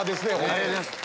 ありがとうございます。